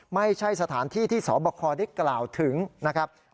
ไม่ใช่สถานที่ที่สวมประคอมีกราวถึงนะครับ